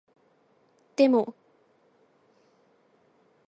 でも